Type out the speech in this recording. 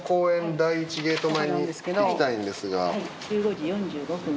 第１ゲート前に行きたいんですが。